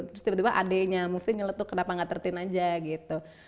terus tiba tiba adenya move team nyeletuk kenapa gak tiga belas aja gitu